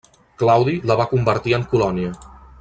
Claudi la va convertir en colònia.